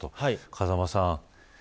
風間さん